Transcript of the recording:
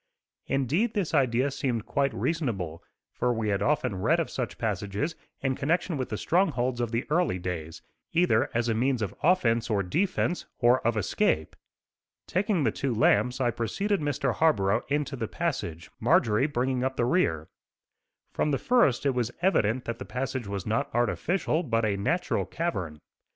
Indeed this idea seemed quite reasonable, for we had often read of such passages in connection with the strongholds of the early days; either as a means of offence or defence, or of escape. Taking the two lamps I preceded Mr. Harborough into the passage, Marjorie bringing up the rear. From the first it was evident that the passage was not artificial, but a natural cavern.